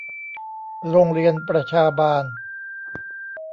โรงเรียนประชาบาล